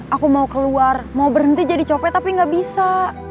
aku mau keluar mau berhenti jadi copet tapi gak bisa